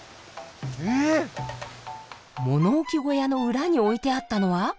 物置小屋の裏に置いてあったのは？